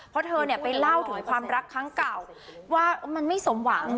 เพราะเธอเนี่ยไปเล่าถึงความรักครั้งเก่าว่ามันไม่สมหวัง